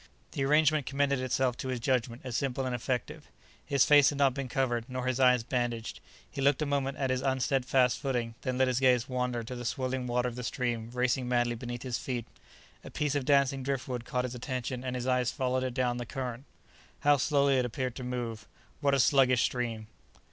The arrangement commended itself to his judgement as simple and effective. His face had not been covered nor his eyes bandaged. He looked a moment at his "unsteadfast footing," then let his gaze wander to the swirling water of the stream racing madly beneath his feet. A piece of dancing driftwood caught his attention and his eyes followed it down the current. How slowly it appeared to move! What a sluggish stream!